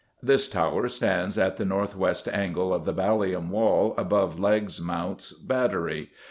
_ This tower stands at the north west angle of the Ballium Wall, above Legge's Mount battery.